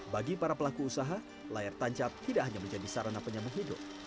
bagi para pelaku usaha layar tancap tidak hanya menjadi sarana penyambung hidup